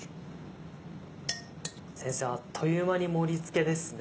先生あっという間に盛り付けですね。